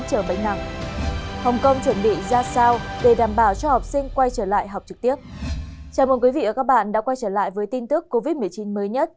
chào mừng quý vị và các bạn đã quay trở lại với tin tức covid một mươi chín mới nhất